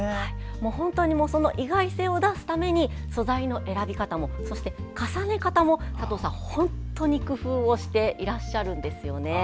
本当に意外性を出すために素材の選び方もそして重ね方も佐藤さんは本当に工夫をしていらっしゃるんですよね。